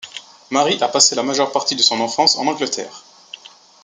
Mary a passé la majeure partie de son enfance en Angleterre.